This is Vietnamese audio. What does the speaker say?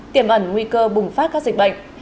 tiềm ẩn nguy cơ bùng phát các dịch bệnh